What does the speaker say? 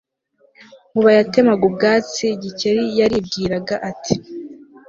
Nkuba yatemaga ubwatsi Gikeli yaribwiraga ati